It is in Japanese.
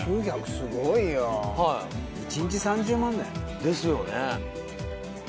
すごいよ１日３０万だよですよね